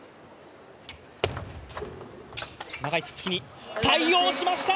長いツッツキに対応しました！